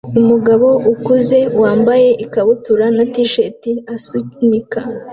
Umugabo ukuze wambaye ikabutura na t-shirt asunika